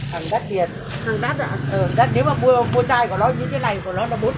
hàng đắt thiệt